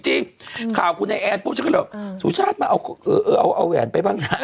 จริงข่าวคุณไอแอนปุ๊บฉันก็เลยแบบสุชาติมาเอาแหวนไปบ้างนะ